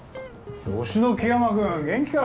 助手のキヤマ君元気か？